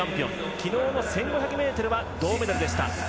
昨日の１５００ｍは銅メダルでした。